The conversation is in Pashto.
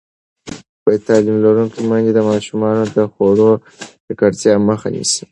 تعلیم لرونکې میندې د ماشومانو د خوړو ککړتیا مخه نیسي.